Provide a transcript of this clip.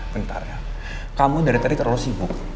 bentar ya kamu dari tadi terlalu sibuk